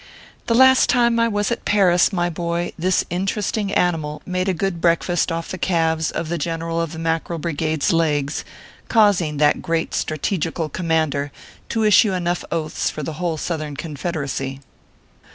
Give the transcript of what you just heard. The last time I was at Paris, my boy, this interest ing animal made a good breakfast off the calves of the General of the Mackerel Brigade s legs, causing that great strategetical conmiander to issue enough oaths for the whole Southern Confederacy.